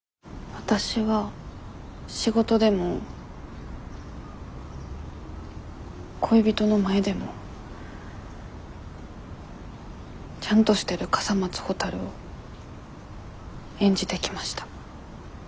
わたしは仕事でも恋人の前でも「ちゃんとしてる笠松ほたる」を演じてきました。